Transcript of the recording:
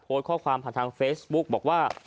โพสต์ข้อความผ่านทางเฟซบุ๊กบอกว่า